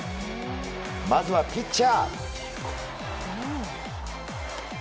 まずはピッチャー。